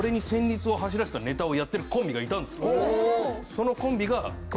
そのコンビが。